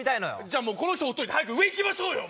じゃあもうこの人ほっといて早く上行きましょうよ